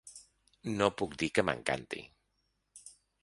No puc dir que m’encanti.